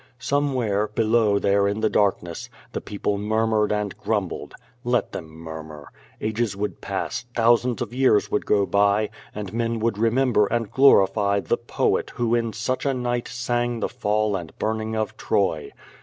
Somewhere, below there in the darkness, the people murmured and grumbled. Let them murmur. Ages would pass, thousands of years would go by, and men would remem ber and glorify the poet who in such a night sang the fall and burning of Troy.